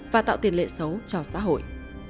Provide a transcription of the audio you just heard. và tạo tiền lệ xấu cho xã hội